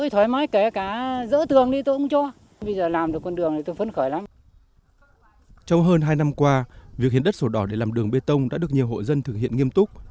trong hơn hai năm qua việc hiến đất sổ đỏ để làm đường bê tông đã được nhiều hộ dân thực hiện nghiêm túc